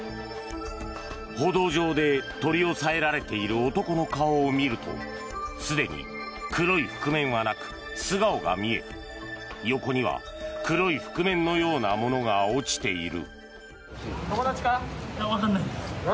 歩道上で取り押さえられている男の顔を見るとすでに黒い覆面はなく素顔が見え横には黒い覆面のようなものが落ちている。